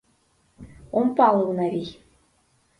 — Ом пале, Унавий.